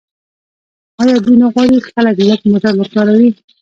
آیا دوی نه غواړي خلک لږ موټر وکاروي؟